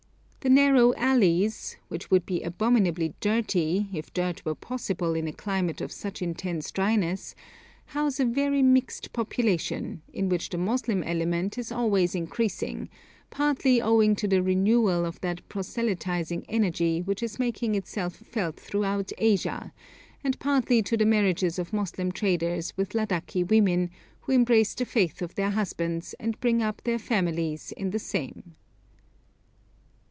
The narrow alleys, which would be abominably dirty if dirt were possible in a climate of such intense dryness, house a very mixed population, in which the Moslem element is always increasing, partly owing to the renewal of that proselytising energy which is making itself felt throughout Asia, and partly to the marriages of Moslem traders with Ladaki women, who embrace the faith of their husbands and bring up their families in the same.